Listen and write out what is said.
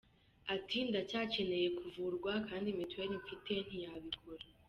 Ati “Ndacyakeneye kuvurwa, kandi mituweli mfite ntiyabikora.